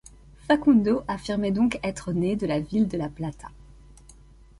Facundo affirmait donc être né de la ville de La Plata.